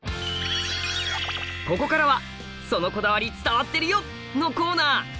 ここからは「“そのこだわり”伝わってるよ！」のコーナー！